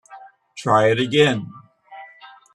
Try it again.